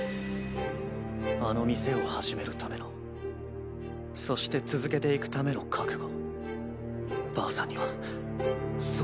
あの店を始めるためのそして続けていくための覚悟